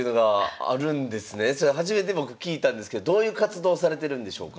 初めて僕聞いたんですけどどういう活動をされてるんでしょうか？